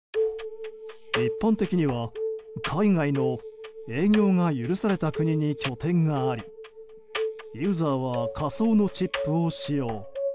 一般的には海外の営業が許された国に拠点がありユーザーは仮想のチップを使用。